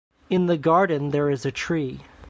In the garden there is a tree.